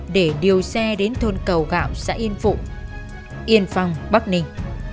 để điều xe đến thôn cầu gạo xã yên phụ yên phong bắc ninh